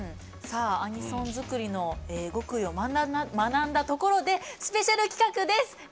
アニソン作りの極意を学んだところでスペシャル企画です！